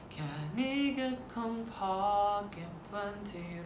แค่นี้ก็คงพอเก็บวันที่เรานั้นต้องไกล